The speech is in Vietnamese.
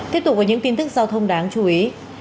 tiếp tục với những tin tức giao thông đáng chú ý